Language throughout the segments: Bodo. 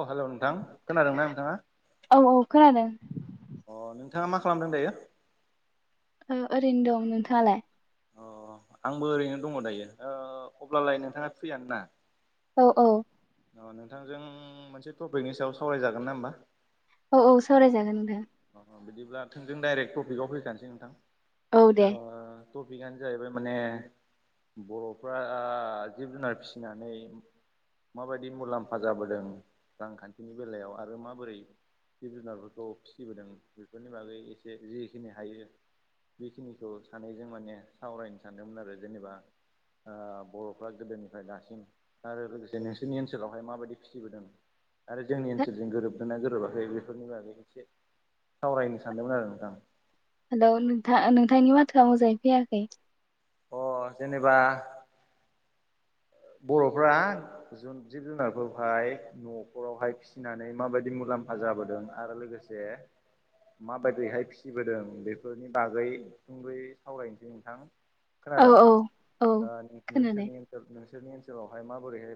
अ हेलौ नोंथां खोनादोंना नोंथाङा? औ औ खोनादों अ नोंथाङा मा खालामदों दायो? अ ओरैनो दं नोंथाङालाय अ आंबो ओरैनो दङ दायो ओ अब्लालाय नोंथाङा फ्रियानो ना? औ औ अ नोंथांजों मोनसे टपिकनि सायाव सावरायजागोन ना ओमबा? औ औ सावरायजागोन नोंथां अ अ बिदिब्ला जों डाइरेक्ट टपिकआव फैखानोसै औ नोंथां दे ओ टपिकआनो जाहैबाय माने बर'फ्रा जिब जुनार फिसिनानै माबायदि मुलाम्फा जाबोदों रांखान्थिनि बेलायाव आरो माबोरै जिब जुनारफोरखौ फिसिबोदों बेफोरनि बागै एसे जिखिनि हायो बेखिनिखौ सानैजों माने सावरायनो सानदोंमोन आरो जेनेबा ओ बर'फ्रा गोदोनिफ्राय दासिम आरो लोगोसे नोंसोरनि ओनसोलावहाय माबायदि फिसिबोदों आरो जोंनि ओनसोलजों गोरोबदोंना गोरोबाखै बेफोरनि बागै एसे सावरायनो सानदोंमोन आरो नोंथां हेलौ नोंथा नोंथांनि माथोआ मोजाङै फैयाखै अ जेनेबा बर'फ्रा जिब जुनारफोरखौहाय न'खरावहाय फिसिनानै माबायदि मुलाम्फा जाबोदों आरो लोगोसे माबायदियैहाय फिसिबोदों बेफोरनि बागै सुंद'यै सावरायनोसै नोंथां। औ खोनादों औ औ ओ खोनादों नोंसोरनि नोंसोरनि ओनसोलावहाय माबोरैहाय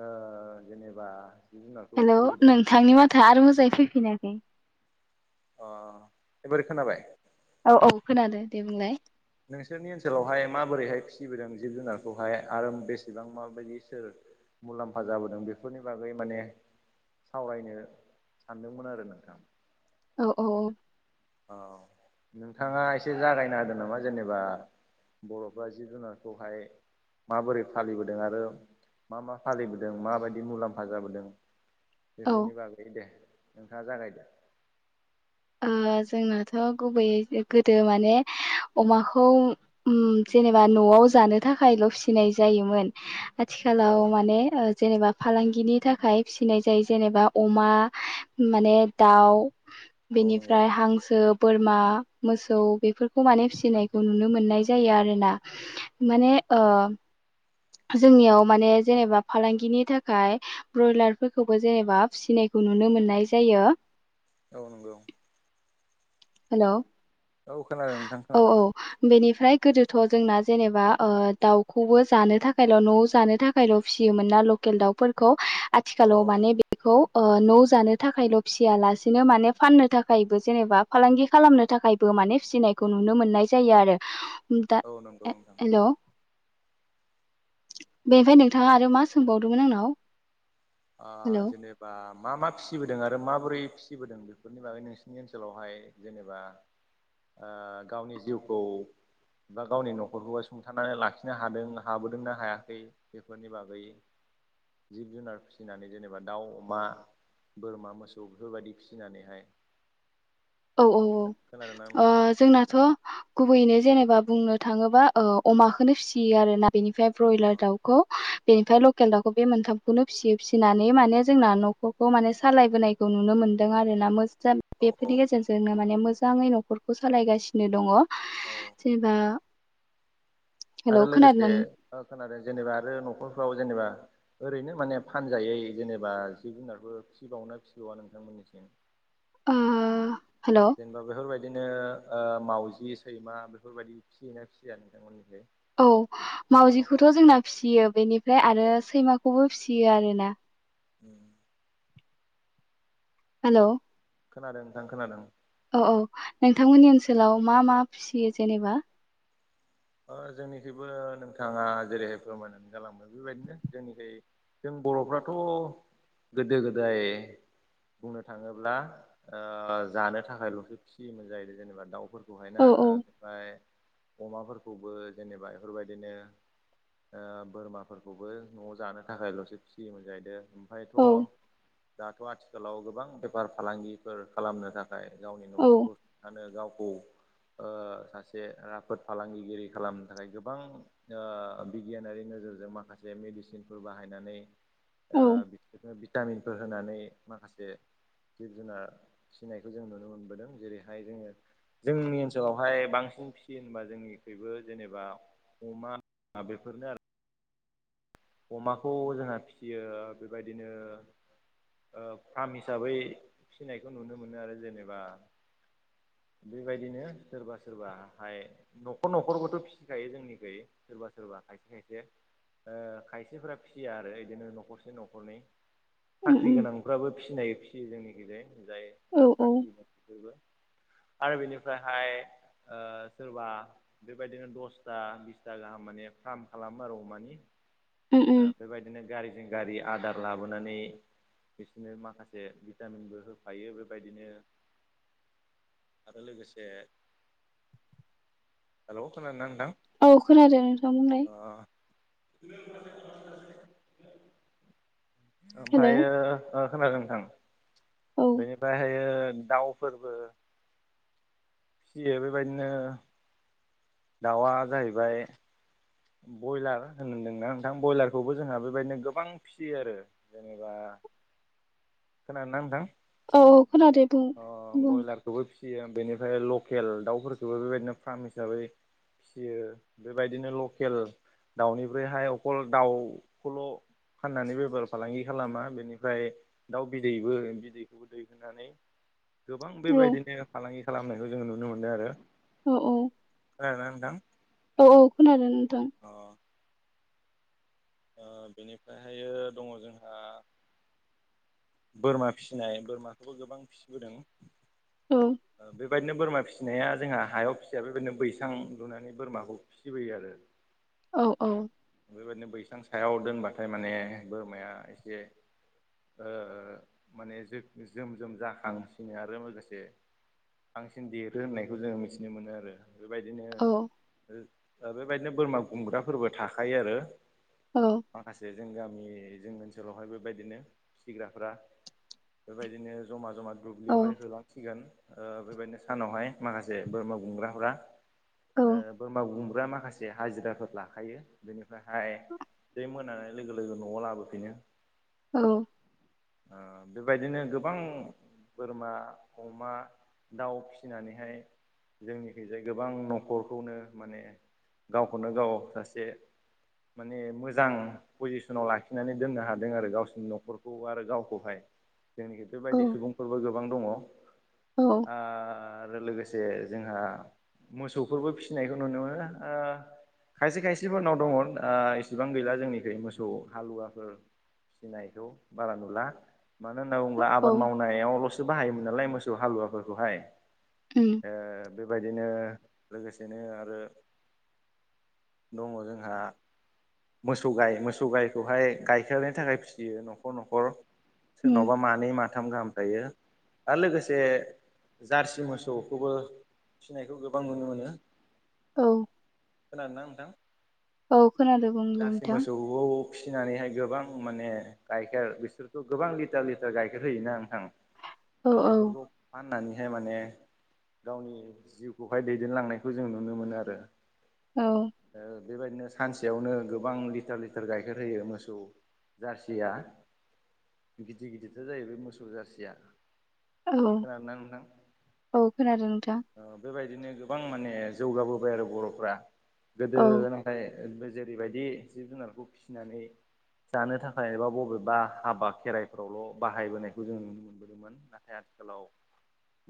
ओ जेनेबा जिब जुनारखौ हेलौ फिसिबोदों नोंथांनि माथो आरो मोजाङै फैफिनाखै। अ एबारै खोनाबाय? औ औ खोनादो दे बुंलाय। नोंसोरनि ओनसोलावहाय माबोरैहाय फिसिबोदों जिब-जुनारखौहाय आरो बेसेबां माबायदि सोर मुलाम्फा जाबोदों बेफोरनि बागै माने सावरायनो सानदोंमोन आरो नोंथां। औ औ औ नोंथाङा एसे जागायना होदों नामा जेनेबा बर'फ्रा जिब-जुनारखौहाय माबोरै फालिबोदों आरो मा मा फालिबोदों माबायदि मुलाम्फा जाबोदों औ बेफोरनि बागै दे नोंथाङा जागायदो। ओ जोंनाथ' गुबैयै गोदो माने अमाखौ उम जेनेबा न'आव जानो थाखायल' फिनाय जायोमोन औ आथिखालाव माने ओ जेनेबा फालांगिनि थाखाय फिसिनाय जायो जेनेबा अमा माने दाउ औ नंगौ। बेनिफ्राय हांसो, बोरमा, मोसौ बेफोरखौ माने फिसिनायखौ नुनो मोननाय जायो आरोना माने ओ जोंनियाव माने जेनेबा फालांगिनि थाखाय ब्रयलारफोरखौबो जेनेबा फिसिनायखौ नुनो मोननाय जायो। औ नंगौ। हेलौ औ खोनादों नोंथां औ खोनादों। औ बेनिफ्राय गोदोथ' जोंना जेनेबा ओ दाउखौबो जानो थाखायल' न'आव जानो था फारौ फिसियोमोन ना लकेल दाउफोरखौ औ आथिखालाव औ माने बे खौ ओ न'आव जानो थाखायल' फिसियालासेनो माने फाननो थाखायबो जेनेबा फालांगि खालामनो थाखायबो माने फिसिनायखौ नुनो मोननाय जायो आरो। उम दा औ नंगौ नोंथां। हेलौ बेनिफ्राय नोंथाङा आरो मा सोंबावदोंमोन आंनाव? हेल' ओ जेनेबा मा मा फिसिबोदों आरो माबोरै फिसिबोदों बेफोरनि बागै नोंसिनि ओनसोलावहाय जेनेबा ओ गावनि जिउखौ बा गावनि न'खरखौबो सुंथानानै लाखिनो हादों हाबोदोंना हायाखै? बेफोरनि बागै जिब-जुनार फि सिनानै जेनेबा दाउ, अमा, बोरमा मोसौ बेफोरबायदि फिसिनानैहाय [inaudible] औ औ औ खोनादोंना ओ नोंथां? जोंनाथ' गुबैयैनो जेनेबा बुंनो थाङोबा ओ अमाखौनो फिसियो आरोना बेनिफ्राय अ ब्रयलार दाउ खौ बेनिफ्राय लकेल दाउखौ बे मोनथामखौनो फिसियो फिसिनानै माने जोंना न'खौ माने सालायबोनायखौ नुनो मोन्दों आरो ना मोजां औ औ। बेफोरनि गेजेरजोंनो माने मोजाङै न'खरखौ सालायगासिनो दङ। औ जेनेबा हेलौ आरो लोगोसे खोनादों ओ खोनादों जेनेबा आरो न'खरफ्राव जेनेबा ओरैनो माने फानजायै जेनेबा जिब-जुनारफोर फिसिबावनो फिसिबावा नोंथांमोननिसिम? ओ हेलौ जेनेबा बेफोरबायदिनो ओ मावजि, सैमा बेफोरबायदि फिसियोना फिसिया नोंथांमोननिखै? औ न'खर न'खर मावजिखौथ' जोंना फिसियो बेनिफ्राय आरो औ सैमाखौबो फिसियो आरोना। उम। हेल' खोनादों नोंथां खोनादों औ औ नोंथांमोननि ओनसोलाव मा मा फियो जेनेबा? ओ जोंनिखैबो नोंथाङा जेरैहाय फोरमायनानै जालांबाय बेबायदिनो जोंनिखै जों बर'फ्राथ' गोदो गोदाय बुंनो थाङोब्ला ओ जानो थाखायल'सो फिसियोमोन जाहै जेनेबा दाउफोरखौ खौहायना औ औ ओमफ्राय अमाफोरखौबो जेनेबा बेफोरबायदिनो ओ बोरमाफोरखौबो न'आव जानो थाखायल'सो फिसियोमोन जाहैदों ओमफ्रायथ' औ दाथ' आथिखालाव गोबां बेफार फालांगिफोर खालामनो थाखाय थाखाय गावनि औ न'खरखौथानो गावखौ सासे राफोद फालांगि रि खालामनो थाखाय गोबां ओ बिगियानारि नोजोरजों माखासे मेडिसिनफोर बाहायनानै औ ओ बिदिनो भिटामिनफोर होनानै माखासे जिब जुनार फिसिनायखौ जों नुनो मोनबोदों जेरैहाय जोङो जोंनि ओनसोलावहाय बांसिन फिसियो होनबा जोंनि बेबो जेनेबा अमा ना बेफोरनो आरो अमाखौ जोंहा फिसियो बेबायदिनो ओ फार्म हिसाबै फिनायखौ नुनो मोनो आरो जेनेबा बेबायदिनो सोरबा सोरब हाय न'खर न'खरबोथ' फिसिखायो जोंनिखयै सोरबा सोरबा खायसे खायसे ओ खायसेफोरा फिसिया आरो बिदिनो न'खरसे न'खरनै उम साख्रि उम गोनां नफ्राबो फिसिनायो फिसियो जोंनि गेजेर औ जायफ्रा औ साख्रि बाख्रिफोरबो आरो बेनिफ्रायहाय ओ सोरबा बेबायदिनो दसथा बिसथा गाहाम माने फार्म खालामो आरो अमानि उम दा उम बेबायदिनो गारिजों गारि आदार लाबोनानै बिसोरनो माखासे भिटामिनबो होफायो बेबायदिनो आरो लोगोसे हेल' खोनादोंना नोंथां? औ खोनादों नोंथां बुंलाय ओ हेलौ ओमफायो ओ खोनादों नोंथां औ बेनिफ्रायहायो दाउफोरबो फियो बेबायदिनो दाउआ जाहैबाय ब्रयलार होनदोंना नोंथां ब्रयलारखौबो जोंहा बेबायदिनो गोबां फियो आरो जेनेबा खोनादोंना नोंथां? औ खोनादों। अ ब्रयलारखौबो फिसियो बेनिफ्राय लकेल दाउफोरखौबो बेबायदिनो फार्म हिसाबै फियो बेबायदिनो लकेल दाउनिफ्रायहाय अख दाउखौल' फाननानै बेबहार फालांगि खालामा बेनिफ्राय दाउ बिदैबो बिदैखौबो दै होनानै गोबां औ बेबायदिनो फालांगि खालामनायखौ जों नुनो मोनदों आरो औ औ [unintelligible] औ औ खोनादों नोंथां। अ ओ बेनिफ्रायहायो दङ जोंहा बोरमा फिसिनाय बोरमाखौबो गोबां फिसिबोदों औ ओ बेबायदिनो बोरमा फिसिनाया जोंहा हायाव फिसिया बेबायदिनो बैसां लुनानै बोरमाखौ फिसिबोयो आरो औ औ बेबायदिनो बैसां सायाव दोनबाथाय माने बोरमाया एसे ओ माने जो जोम जोम जाखांसिनो आरो लोगोसे बांसिन देरो होननायखौ जोङो मिथिनो मोनो आरो। बेबायदिनो औ बेबायदिनो बोरमा गुमग्राफोरबो थाखायो आरो। औ। माखासे जों गामि जों ओनसोलावहाय बेबायदिनो फिसिग्राफ्रा। बेबायदिनो जमा जमा औ दुब्लियावहाय होलांसिगोन ओ बेबायदिनो सानावहाय माखासे बोरमा गुमग्राफोरा। औ ओ बोरमा गुमग्रा माखासे हाजिराफोर लाखायो। बेनिफ्रायहाय जै मोनानाय लोगो लोगो न'आव लाबोफिनो। औ। ओ बेबायदिनो गोबां बोरमा अमा दाउ फिसिनानैहाय जोंनिखैजाय गोबां न'खरखौनो माने गावखौनो गाव सासे माने मोजां पजिसनाव लाखिनानै दोननो हादों आरो गावसिनि न'खरखौ आरो गावखौहाय। जोंनि खैथ' बायदि सुबुंफोरबो गोबां दङ। औ। आरो लोगोसे जोंहा मोसौफोरबो फिसिनायखौ नुनो मोनो ओ खायसे खायसेफोरनाव दङ ओ इसिबां गैला जोंनिखै मोसौ हालुवाफोर। फिनायखौ बारा नुला। मानो होनना बुङोब्ला आबाद मावनायावल'सो बाहायोमोन नालाय मोसौ हालुवाफोरखौहाय। उम ओ बेबायदिनो लोगोसेनो आरो दङ जों हा मोसौ गाय मोसौ गायखौहाय गायखेरनि थाखाय फिसियो न'खर न'खर उम सोरनावबा मा नै माथाम गाहाम थायो आरो लोगोसे जारसि मोसौखौबो फिनायखौ गोबां नुनो मोनो। औ। खोनादों ना नोंथां? औ खोनादों। बुंलाय जारसि नोंथां मोसौखौ फिसिनानैहाय गोबां माने गाइखेर बिसोरथ' गोबां लिटार लिटार गाइखेर होयोना नोंथां औ बेफोरखौ फाननानैहाय माने गावनि जिउखौहाय दैदेनलांनायखौ जों नुनो मोनो आरो। औ। ओ बेबायदिनो खानसेयावनो गोबां लिटार लिटार गाइखेर होयो मोसौ जारसिया। गिदिर गिदिरथार जायो बे मोसौ जारसिया। औ खोनादोंना नोंथां? औ खोनादों नोंथां ओ बेबायदिनो गोबां माने जौगाबोबाय आरो बर'फोरा औ गोदो नाथाय ओ जेरैबायदि जिब जुनारखौ फिसिनानै जानो थाखाय एबा बबेबा हाबा खेराइफोरावल' बाहायबोनायखौ जों नुनो मोनबोदोंमोन। मोन नाथाय आथिखालाव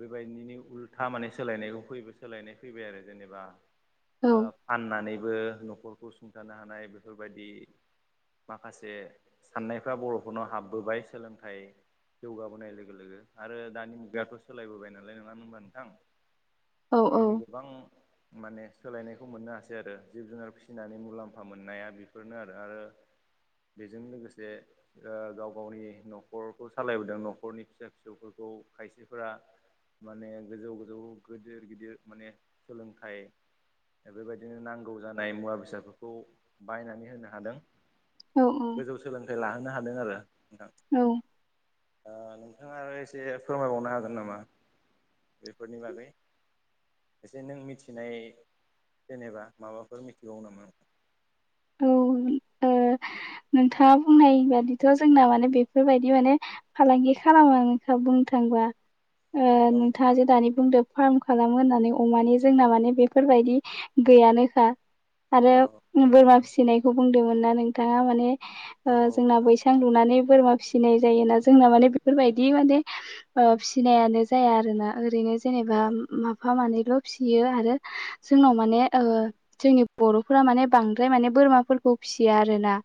बेबायदिनि उल्था माने सोलायनायखौ फै सोलायनाय फैबाय आरो जेनेबा। औ ओ फाननानैबो न'खरखौ सुंथानो हानाय बेफोरबायदि माखासे साननायफ्रा बर'खौनो हाबबोबाय सोलोंथाइ जौगाबोनाय लोगो लोगो आरो दानि मुगायाथ' सोलायबोबाय नालाय नोङा होनबा नोंथां? औ औ। जों गोबां माने सोलायनायखौ मोननो हासै आरो जिब जुनार फि फिसिनानै मुलाम्फा मोननाया बेफोरनो आरो आरो बेजों लोगोसे गाव गावनि न'खरखौ सालायबोदों न'खरनि फिसा फिसौफोरखौ खायसेफोरा माने गोजौ गोजौ गिदिर गिदिर माने सोलोंथाइ बेबायदिनो नांगौ जानाय मुवा फिसाफोरखौ बायनानै होनो हादों औ गोजौ सोलोंथाइ लाहोनो हादों आरो नोंथां औ नोंथाङा आरो एसे फोरमायबावनो हागोन नामा बेफोरनि बागै एसे नों मिथिनाय जेनेबा माबाफोर मिथिबावो नामा? औ नोंथाङा बुंनाय बादिथ' जोंना माने बेफोरबायदि माने फालांगि खालामा नों बुंनो थांबा औ नोंथाङा नोंथां जे दानि बुंदों फार्म खालामो होननानै अमानि जोंना माने बेफोरबायदि गैयानोखा आरो औ बोरमा फिसिनायखौ बुंदोंमोन ना नोंथाङा माने औ जोंना बैसां लुनानै बोरमा फिसिनाय जायोना जोंना माने बेफोरबायदि माने फिसिनायानो जाया आरोना ओरैनो जेनेबा मा एफा मानैल' फिसियो आरो जोंनाव माने जोंनि बर'फोरा माने बांद्राय माने बोरमाफोरखौ फिसियो आरोना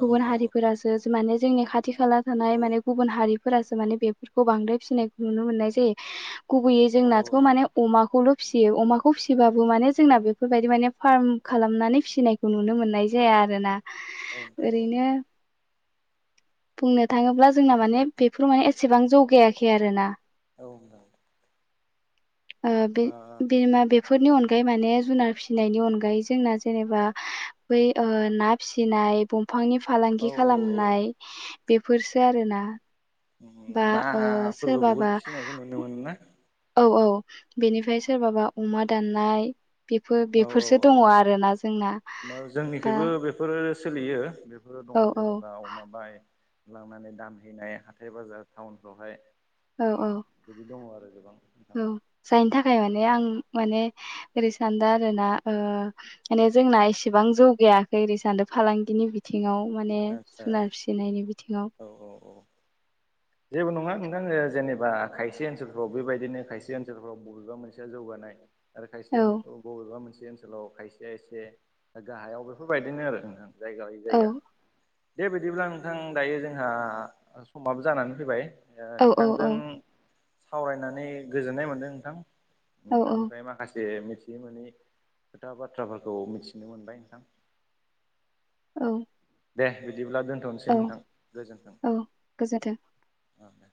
गुबुन हारिफोरासो माने जोंनि खा थि खाला थानाय औ माने गुबुन हारिफोरासो माने बेफोरखौ बांद्राय फिसिनायखौ नुनो मोननाय जायो गुबैयै औ जोंनाथ' माने अमाखौल' फिसियो अमाखौ फिसिबाबो माने जोंना बेफोरबायदि माने फार्म खालामनानै फिसिनायखौ नुनो मो नाय जाया आरोना औ नोंथां ओरैनो बुंनो थाङोब्ला जोंना माने बेफोराव माने एसेबां जौगायाखै आरोना औ नोंथां आ बे बिमा बे बेफोरनि अनगायै माने जुनार फिसिनायनि अनगायै जोंना जेनेबा बै ना फिसिनाय दंफांनि ओ फालांगि औ औ खालामनाय बेफोरसो आरोना बा ओ नाफोरबो सोरबाबा बुहुत फिसिनायखौ नुनो मोनो ना औ औ बेनिफ्राय सोरबाबा अमा दाननाय बेफोर औ औ बेफोरसो दङ आरोना जोंना बा जोंनिखैबो बेफोरो सोलियो बेफोरो दं औ औ जेनेबा अमा बाय लांनानै दानहैनाय हाथाय बाजार टाउनफ्रावहाय औ औ बिदि दङ आरो गोबां नोंथां औ जायनि थाखाय माने आं माने ओरै सान्दों आरोना ओ माने जोंना एसेबां जौगायाखै ओरै सान्दों फालांगिनि बि थिङाव माने आदसा जुनार फिसिनायनि बिथिङाव औ औ औ जेबो नङा नोंथां ओ जेनेबा खायसे ओनसोलफ्राव बेबायदिनो खायसे ओनसोलफ्राव बबेबा मोनसेया जौगानाय आरो खायसे औ माने बबेबा मोनसे ओनसोलाव खायसेया एसे गाहायाव बेफोरबायदिनो आरो नोंथां जायगा लायै औ जायगा दे बिदिब्ला नोंथां दायो जोंहा समाबो जानानै फैबाय ओ औ औ औ नोंथांजों सावरायनानै गोजोननाय मोनदों नोंथां औ नोंथांनिफ्राय माखासे मिथियै मोनै खोथा बाथ्राफोरखौ मिथिनो मोनबाय नोंथां औ दे बिदिब्ला दोनथ'नोसै औ नोंथां गोजोन्थों औ गोजोन्थों औ दे